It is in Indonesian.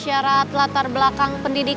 syarat latar belakang pendidikan